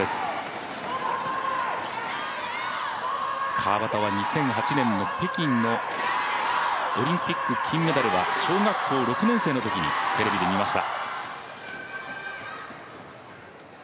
川畑は、２００８年の北京のオリンピック金メダルは小学校６年生のときにテレビで見ました。